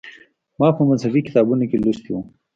ما په مذهبي کتابونو کې لوستي و.